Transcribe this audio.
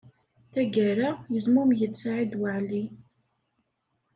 Tagara, yezmumeg-d Saɛid Waɛli.